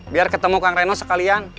biar ketemu kang reno sekalian